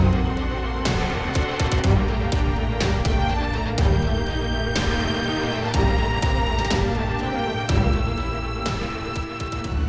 aku mau ke rumah